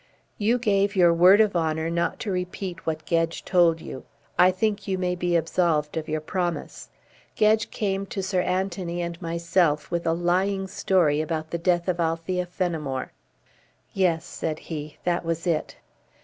"You gave your word of honour not to repeat what Gedge told you. I think you may be absolved of your promise. Gedge came to Sir Anthony and myself with a lying story about the death of Althea Fenimore." "Yes," said he. "That was it."